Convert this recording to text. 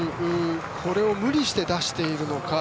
これを無理して出しているのか